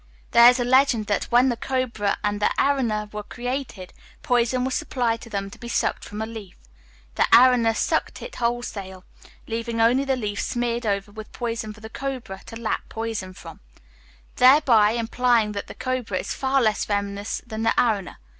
There is a legend that, "when the cobra and the arana were created, poison was supplied to them, to be sucked from a leaf. The arana sucked it wholesale, leaving only the leaf smeared over with poison for the cobra to lap poison from; thereby implying that the cobra is far less venomous than the arana.